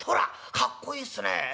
かっこいいっすねええ？